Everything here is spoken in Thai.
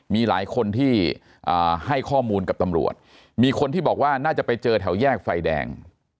มีหลายคนที่ให้ข้อมูลกับตำรวจมีคนที่บอกว่าน่าจะไปเจอแถวแยกไฟแดง